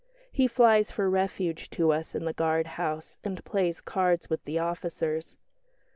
he flies for refuge to us in the guard house, and plays cards with the officers.